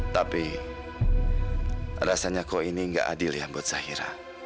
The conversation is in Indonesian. tapi rasanya kau ini nggak adil ya buat zahira